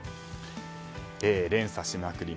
連鎖しまくり